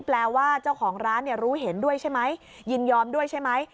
แปลว่าเจ้าของร้านรู้เห็นด้วยใช่ไหมยินยอมด้วยใช่ไหม